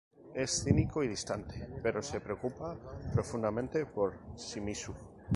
Es cínico y distante, pero se preocupa profundamente por Shimizu.